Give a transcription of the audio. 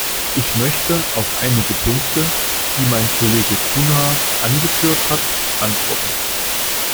Ich möchte auf einige Punkten, die mein Kollege Cunha angeführt hat, antworten.